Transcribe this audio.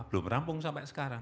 belum rampung sampai sekarang